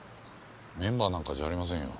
メンバーなんかじゃありませんよ。